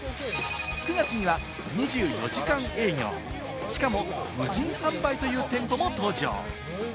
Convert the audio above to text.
９月には２４時間営業、しかも無人販売という店舗も登場。